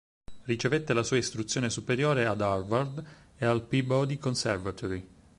Ricevette la sua istruzione superiore ad Harvard e al Peabody Conservatory.